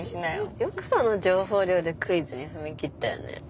よくその情報量でクイズに踏み切ったよね。